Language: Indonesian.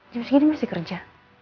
jam segini masih kerja